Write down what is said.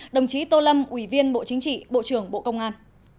đồng chí tô lâm ủy viên bộ chính trị bộ trưởng bộ công an